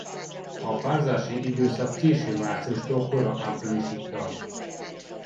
A párzási időszak késő márciustól kora áprilisig tart.